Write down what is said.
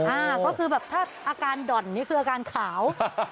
อ่าก็คือแบบถ้าอาการด่อนนี่คืออาการขาว